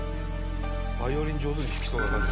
バイオリン上手に弾きそうな感じ。